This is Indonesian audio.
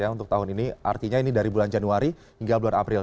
untuk tahun ini artinya ini dari bulan januari hingga bulan april